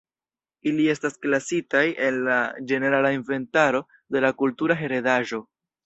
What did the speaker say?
Ili estas klasitaj en la ĝenerala inventaro de la kultura heredaĵo.